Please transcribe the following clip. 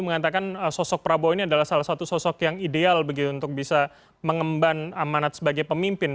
mengatakan sosok prabowo ini adalah salah satu sosok yang ideal begitu untuk bisa mengemban amanat sebagai pemimpin